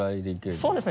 そうですね